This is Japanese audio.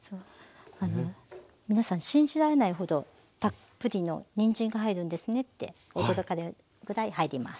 皆さん信じられないほどたっぷりのにんじんが入るんですねって驚かれるぐらい入ります。